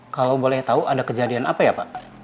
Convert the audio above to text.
kalau boleh tahu ada kejadian apa ya pak